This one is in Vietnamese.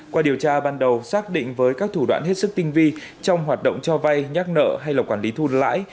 qua điều tra ban đầu xác định với các thủ đoạn hết sức tinh vi trong hoạt động cho vay nhắc nợ hay là quản lý thu lãi